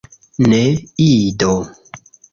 Ne, Ido!